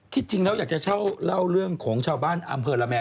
จริงแล้วอยากจะเช่าเล่าเรื่องของชาวบ้านอำเภอละแม